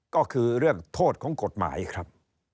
ก็คือเรื่องโทษของกฎหมายครับ